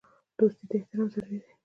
دوستۍ ته احترام ضروري دی.